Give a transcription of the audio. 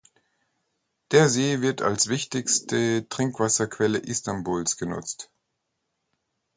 Der See wird als wichtigste Trinkwasserquelle Istanbuls genutzt.